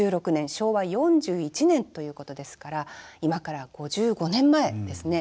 昭和４１年ということですから今から５５年前ですね。